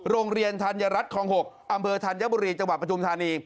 โรงเรียนธัญรัฐคลอง๖อำเภอธัญบุรีจังหวัดปฐุมธานี